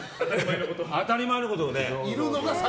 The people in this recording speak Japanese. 当たり前のことをね。